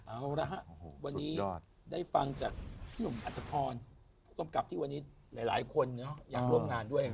เอาละฮะวันนี้ได้ฟังจากพี่หนุ่มอัตภพรผู้กำกับที่วันนี้หลายคนอยากร่วมงานด้วย